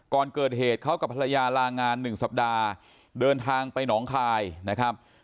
ก่อนเกิดเหตุเขากับภรรยาลางาน๑สัปดาห์เดินทางไปหนองคายนะครับ